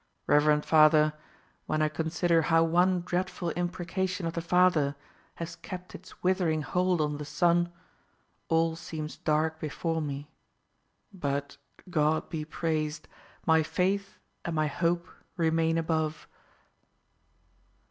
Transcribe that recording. Reverend father, when I consider how one dreadful imprecation of the father has kept its withering hold on the son, all seems dark before me; but, God be praised! my faith and my hope remain above."